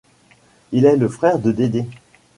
Il est le frère de Dedê.